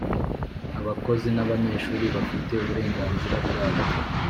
Abakozi nabanyeshuri bafite uburenganzira bwabo